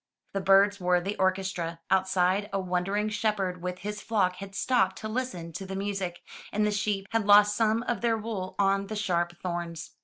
The birds were the orchestra. Outside, a wandering shepherd with his flock had stopped to listen to the music, and the sheep had lost some of their wool on the sharp thorns.